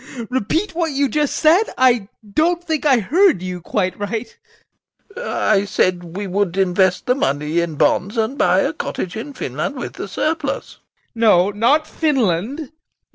Repeat what you just said; I don't think I heard you quite right. SEREBRAKOFF. I said we would invest the money in bonds and buy a cottage in Finland with the surplus.